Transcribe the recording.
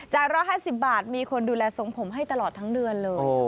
๑๕๐บาทมีคนดูแลทรงผมให้ตลอดทั้งเดือนเลย